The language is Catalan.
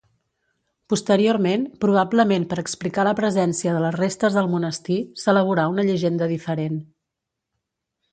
Posteriorment, probablement per explicar la presència de les restes al monestir, s'elaborà una llegenda diferent.